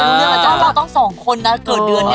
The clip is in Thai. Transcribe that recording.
อ่าวต้องสองคนน่ะเกิดเดือนเนี่ย